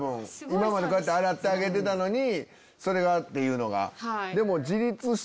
今まで洗ってあげてたのに「それが」っていうのが。